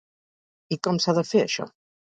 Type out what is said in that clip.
I com s'ha de fer, això?